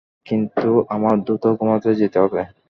কিন্তু আমার দ্রুত ঘুমাতে যেতে হবে।